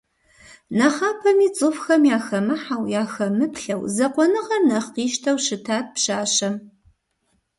Нэхъапэми цӏыхухэм яхэмыхьэу, яхэмыплъэу, закъуэныгъэр нэхъ къищтэу щытат пщащэм.